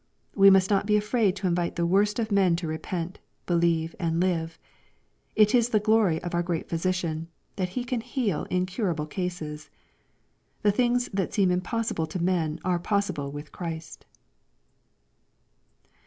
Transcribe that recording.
We must not be afraid to invite the worst of men to repent, believe, and live. It is the glory of our Great Physician, that He can heal incurable cases. The things that seem impossible to men are possible with Christ.